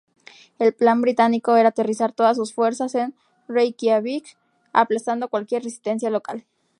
El plan británico era aterrizar todas sus fuerzas en Reikiavik, aplastando cualquier resistencia local.